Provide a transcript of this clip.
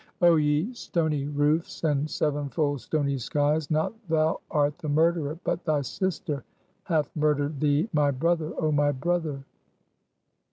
"Oh, ye stony roofs, and seven fold stony skies! not thou art the murderer, but thy sister hath murdered thee, my brother, oh my brother!"